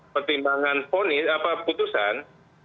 pertimbangan ponis apa putusan